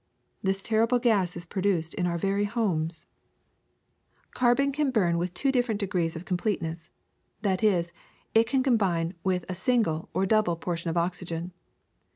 This terrible gas is produced in our very homes. 304 IMPURE AIR 305 Carbon can burn with two different degrees of completeness ; that is, it can combine with a single or double portion of oxygen.